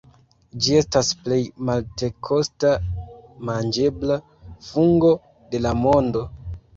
Ĝi estas plej multekosta manĝebla fungo de la mondo.